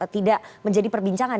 tidak menjadi perbincangan